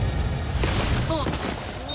あっ！